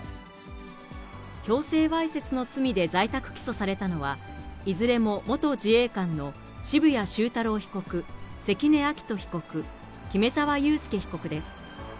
強制わいせつの罪で在宅起訴されたのは、いずれも元自衛官の渋谷修太郎被告、関根亮斗被告、木目沢佑輔被告です。